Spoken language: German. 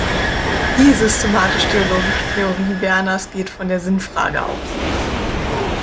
Die systematisch-theologische Theorie Werners geht von der Sinnfrage aus.